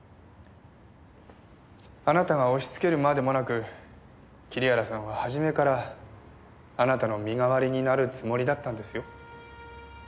あなたが押しつけるまでもなく桐原さんは初めからあなたの身代わりになるつもりだったんですよ。